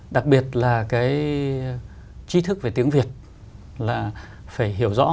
đặc biệt là cái chi thức về tiếng việt là phải hiểu rõ